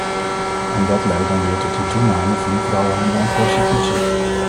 En dat leidt dan weer tot een toename van de vrouwenhandel en prostitutie.